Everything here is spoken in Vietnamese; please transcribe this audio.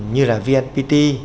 như là vnpt